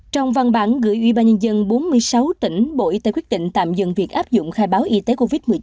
trong văn bản gửi ubnd bốn mươi sáu tỉnh bộ y tế quyết định tạm dừng việc áp dụng khai báo y tế covid một mươi chín